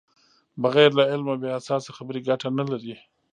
بغیر له علمه بې اساسه خبرې ګټه نلري.